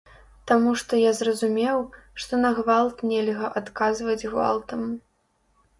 Таму што я зразумеў, што на гвалт нельга адказваць гвалтам.